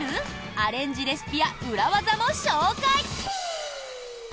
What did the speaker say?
アレンジレシピや裏ワザも紹介！